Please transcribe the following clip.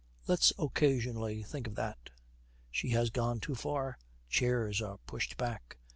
Let's occasionally think of that.' She has gone too far. Chairs are pushed back.